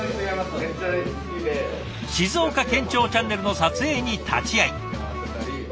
静岡県庁チャンネルの撮影に立ち会い。